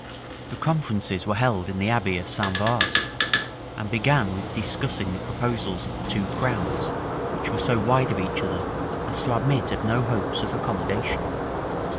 [*] The conferences were held in the abbey of St. Vaast, and began with discussing the proposals of the two crowns which were so wide of each other as to admit of no hopes of accommodation.